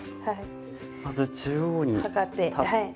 まず中央に立って。